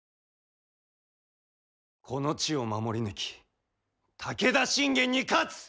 この地を守り抜き武田信玄に勝つ！